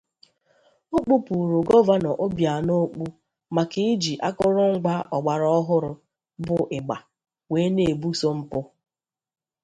O kpupuuru Gọvanọ Obianọ okpu maka iji akụrụngwa ọgbaraọhụrụ bụ ịgbà wee na-ebuso mpụ